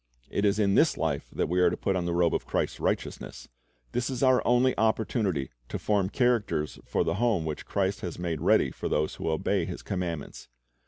It is in this life that we are to put on the robe of Christ's righteousness. This is our only opportunity to form characters for the home which Christ has made ready for those who obey His commandments.